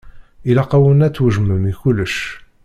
Ilaq-awen ad twejdem i kullec.